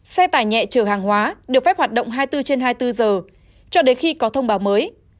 xe tải nhẹ chở hàng hóa được phép hoạt động hai mươi bốn trên hai mươi bốn giờ cho đến khi có thông báo mới